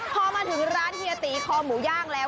พอมาถึงร้านเฮียตีพอหมูย่างแล้ว